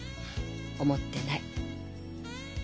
思ってない。